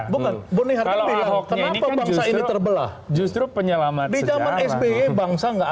kalau ahoknya ini kan justru penyelamat sejarah